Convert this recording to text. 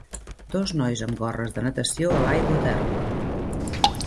Dos nois amb gorres de natació a l'aigua tèrbola.